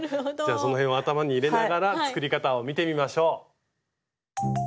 そのへんを頭に入れながら作り方を見てみましょう。